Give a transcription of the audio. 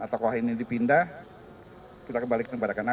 atau kalau ini dipindah kita kembalikan kepada karyawan